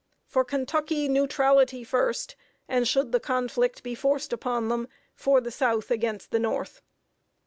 "For Kentucky neutrality," first; and, should the conflict be forced upon them, "For the South against the North."